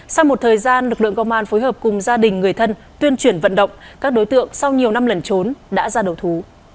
sau một thời gian lực lượng công an phối hợp cùng gia đình người thân tuyên truyền vận động các đối tượng sau nhiều năm lần trốn đã ra đầu thú